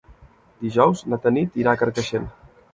Dijous na Tanit irà a Carcaixent.